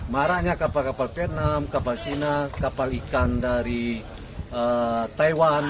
maraknya kapal kapal vietnam kapal cina kapal ikan dari taiwan